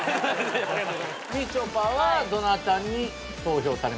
みちょぱはどなたに投票されました？